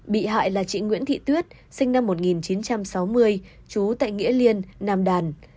bị hại là chị nguyễn thị tuyết sinh năm một nghìn chín trăm sáu mươi trú tại nghĩa liên nam đàn